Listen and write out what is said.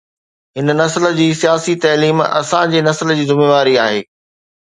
هن نسل جي سياسي تعليم اسان جي نسل جي ذميواري آهي.